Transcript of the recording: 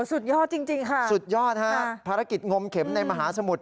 สุดยอดจริงค่ะสุดยอดฮะภารกิจงมเข็มในมหาสมุทร